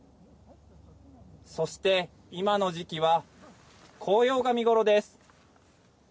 そして、今の時期は紅葉が見頃です。